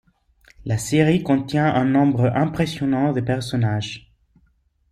La série contient un nombre impressionnant de personnages.